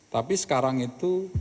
tapi sekarang itu